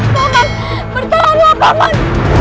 baman bertolonglah baman